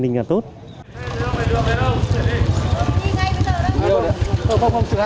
đi ngay bây giờ đâu